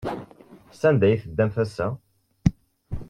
Sanda ay teddamt ass-a?